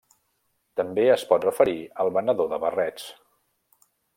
També es pot referir al venedor de barrets.